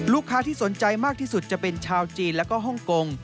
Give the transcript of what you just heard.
ลูกค้าที่สนใจมากที่สุดจะเป็นชาวจีนแล้วก็ฮ่องกง